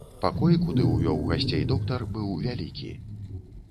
Пакой, куды ўвёў гасцей доктар, быў вялікі.